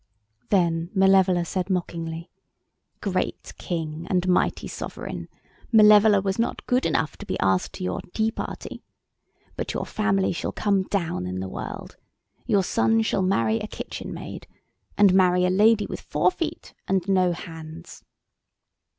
Then Malevola said mockingly: "Great King and mighty Sovereign, Malevola was not good enough to be asked to your tea party. But your family shall come down in the world; your son shall marry a kitchen maid and marry a lady with four feet and no hands."